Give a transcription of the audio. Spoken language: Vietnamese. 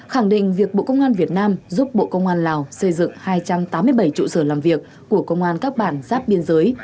khẳng định việc bộ công an việt nam giúp bộ công an lào xây dựng hai trăm tám mươi bảy trụ sở làm việc của công an các bản giáp biên giới